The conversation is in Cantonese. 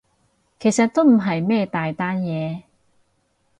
其實都唔係咩大單嘢